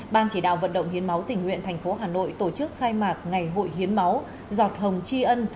ban chỉ đạo vận động hiến máu tỉnh nguyện tp hà nội tổ chức khai mạc ngày hội hiến máu giọt hồng chi ân